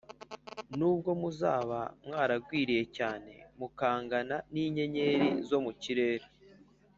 nubwo muzaba mwaragwiriye cyane mukangana n’inyenyeri zo mu kirere